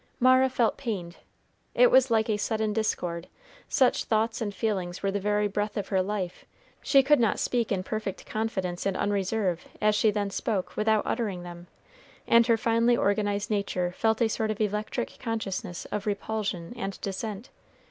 Mara felt pained; it was like a sudden discord; such thoughts and feelings were the very breath of her life; she could not speak in perfect confidence and unreserve, as she then spoke, without uttering them; and her finely organized nature felt a sort of electric consciousness of repulsion and dissent.